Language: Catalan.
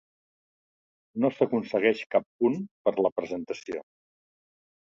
No s'aconsegueix cap punt per la presentació.